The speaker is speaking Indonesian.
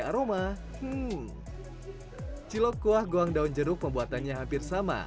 biar makin segar tambahkan daun jeruk untuk memperkaya